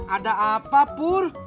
ada apa pur